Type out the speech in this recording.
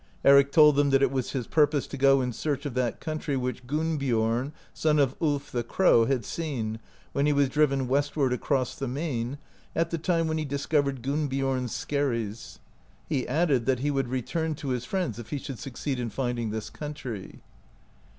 Eric told them that it was his ptirpose to go in search of that country which Gunnbiorn, son of Ulf the Crow% had seen, when he was driven westward across the main, at the time when he dis covered Gunnbiorns skeTries; he added, that he would return to his friends* if he shotild succeed in finding this country.